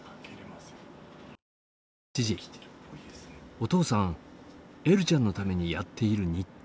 お父さんえるちゃんのためにやっている日課がある。